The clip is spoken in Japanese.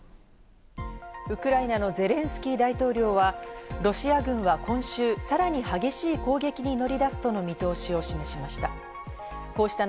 ウクライナのゼレンスキー大統領はロシア軍は今週、さらに激しい攻撃に乗り出すとの見通しを示しました。